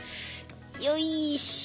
よいしょ。